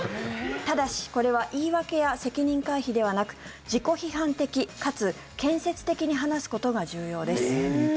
ただし、これは言い訳や責任回避ではなく自己批判的かつ建設的に話すことが重要です。